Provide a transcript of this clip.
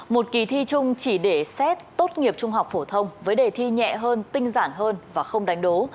một kỳ thi chung chỉ để xét tốt nghiệp trung học phổ thông với đề thi nhẹ hơn tinh giản hơn và không đánh đố